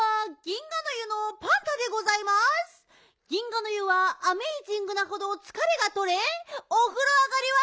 銀河の湯はアメイジングなほどつかれがとれおふろ上がりは。